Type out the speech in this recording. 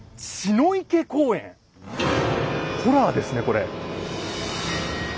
ホラーですねこれ。